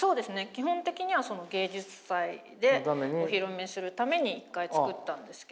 基本的には芸術祭でお披露目するために一回作ったんですけれど。